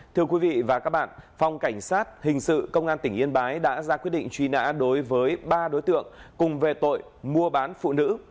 thưa quý vị và các bạn phòng cảnh sát hình sự công an tỉnh yên bái đã ra quyết định truy nã đối với ba đối tượng cùng về tội mua bán phụ nữ